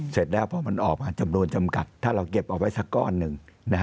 เสร็จแล้วพอมันออกมาจำนวนจำกัดถ้าเราเก็บเอาไว้สักก้อนหนึ่ง